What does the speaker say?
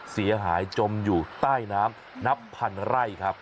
เสียหายจมอยู่ใต้น้ำนับพันไร่ครับ